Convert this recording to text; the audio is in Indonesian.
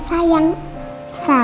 gue yang harap